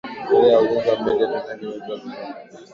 historia ya ujenzi wa meli ya titanic imeelezewa vizuri